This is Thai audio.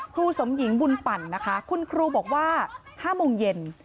ครูสมหญิงบุญปั่นนะคะคุณครูบอกว่า๕โมงเย็น